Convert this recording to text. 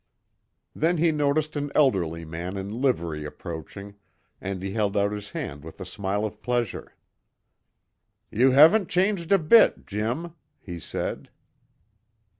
Then he noticed an elderly man in livery approaching, and held out his hand with a smile of pleasure. "You haven't changed a bit, Jim," he said.